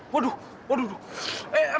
waduh waduh eh penculiknya ngomong